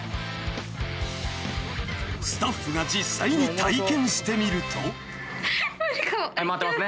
［スタッフが実際に体験してみると］いきます。